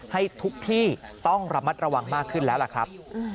ให้ทุกที่ต้องระมัดระวังมากขึ้นแล้วล่ะครับ